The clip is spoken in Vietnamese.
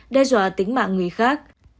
đe dọa tính mạng người khác